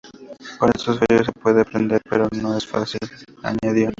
Con estos fallos se puede aprender, pero no es fácil", añadió.